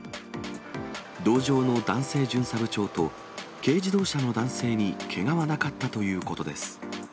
同乗の男性巡査部長と、軽自動車の男性にけがはなかったということです。